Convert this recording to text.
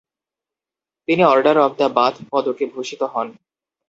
তিনি order of the Bath পদকে ভূষিত হন।